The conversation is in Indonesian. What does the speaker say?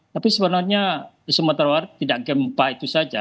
tapi sebenarnya di sumatera barat tidak gempa itu saja